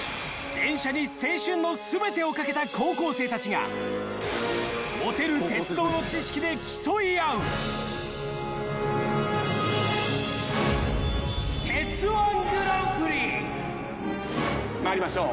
［電車に青春の全てを懸けた高校生たちが持てる鉄道の知識で競い合う］参りましょう。